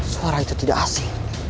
suara itu tidak asli